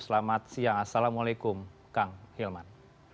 selamat siang assalamualaikum kang hilman